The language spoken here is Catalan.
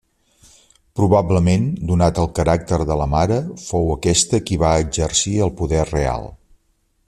Probablement, donat el caràcter de la mare, fou aquesta qui va exercir el poder real.